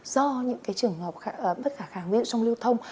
do những trường hợp bất khả kháng trong lưu thông